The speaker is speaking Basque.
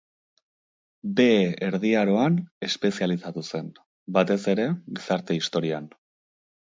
Behe Erdi Aroan espezializatu zen, batez ere gizarte-historian.